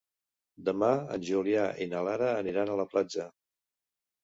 Demà en Julià i na Lara aniran a la platja.